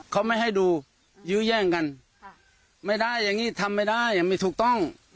เขาไม่ให้ดูยื้อแย่งกันไม่ได้อย่างนี้ทำไม่ได้ไม่ถูกต้อง